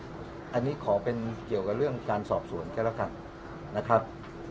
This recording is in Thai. อ๋อขอเป็นเรื่องของเนี่ยอันนี้ขอเป็นเกี่ยวกับเรื่องการสอบสวนแค่แล้วกันนะครับ